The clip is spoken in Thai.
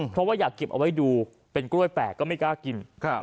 เพราะว่าอยากเก็บเอาไว้ดูเป็นกล้วยแปลกก็ไม่กล้ากิน